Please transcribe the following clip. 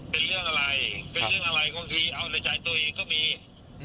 เป็นเรื่องอะไรเป็นเรื่องอะไรก็คือเอาในใจตัวเองก็มี